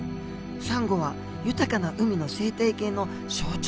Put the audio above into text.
サンゴは豊かな海の生態系の象徴なんです！